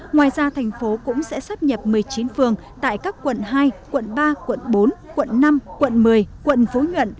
ngoài ra thành phố cũng sẽ sắp nhập một mươi chín phường tại các quận hai quận ba quận bốn quận năm quận một mươi quận phú nhuận